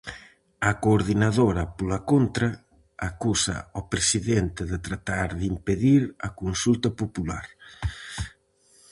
A Coordinadora, pola contra, acusa ao Presidente de tratar de impedir a consulta popular.